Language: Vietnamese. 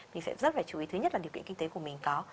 mình sẽ rất phải chú ý thứ nhất là điều kiện kinh tế của mình có